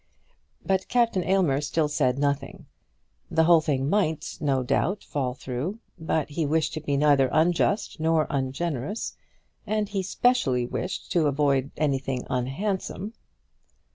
But Captain Aylmer still said nothing. The whole thing might, no doubt, fall through, but he wished to be neither unjust nor ungenerous, and he specially wished to avoid anything unhandsome.